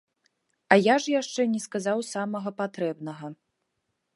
А я ж яшчэ не сказаў самага патрэбнага.